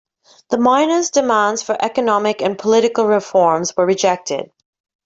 The miners' demands for economic and political reforms were rejected.